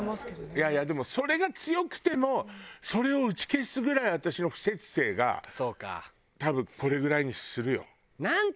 いやいやでもそれが強くてもそれを打ち消すぐらい私の不摂生が多分これぐらいにするよ。